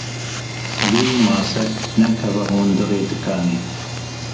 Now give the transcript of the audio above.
Bêyî maske nekeve hundirê dikanê.